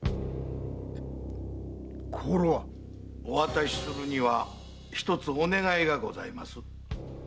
お渡しするには一つお願いがございます。